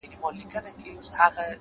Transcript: عاجزي د عزت دروازې خلاصوي،